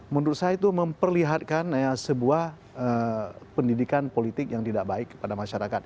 menurut saya itu memperlihatkan sebuah pendidikan politik yang tidak baik kepada masyarakat